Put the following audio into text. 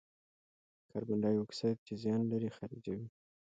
کاربن دای اکساید چې زیان لري، خارجوي.